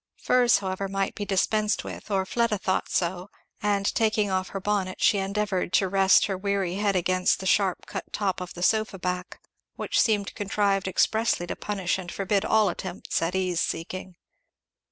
Furs however might be dispensed with, or Fleda thought so; and taking off her bonnet she endeavoured to rest her weary head against the sharp cut top of the sofa back, which seemed contrived expressly to punish and forbid all attempts at ease seeking.